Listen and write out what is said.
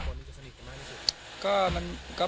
วันนี้ก็จะเป็นสวัสดีครับ